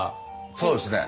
そうですね。